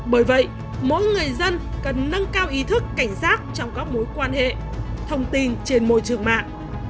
bởi vậy mỗi người dân cần nâng cao ý thức cảnh giác trong các mối quan hệ thông tin trên môi trường mạng